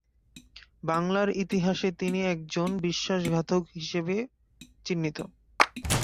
বাংলার ইতিহাসে তিনি একজন বিশ্বাসঘাতক হিসেবে চিহ্নিত।